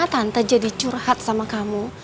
tante jadi curhat sama kamu